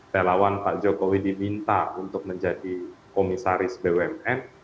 relawan pak jokowi diminta untuk menjadi komisaris bumn